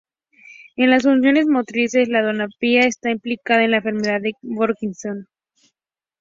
En las funciones motrices, la dopamina está implicada en la enfermedad del Parkinson.